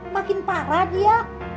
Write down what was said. makin parah dia